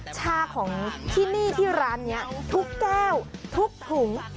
ชาของที่นี่ที่ร้านนี้ทุกแก้วทุกถุง